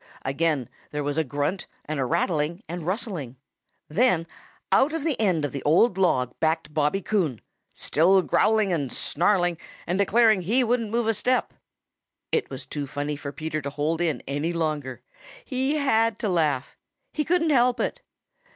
Again there was a grunt and a rattling and rustling. Then out of the end of the old log backed Bobby Coon, still growling and snarling and declaring he wouldn't move a step. It was too funny for Peter to hold in any longer. He had to laugh. He couldn't help it.